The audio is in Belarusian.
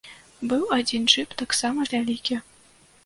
Быў адзін джып таксама, вялікі.